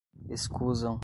escusam